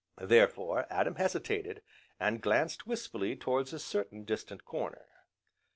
Therefore Adam hesitated, and glanced wistfully towards a certain distant corner.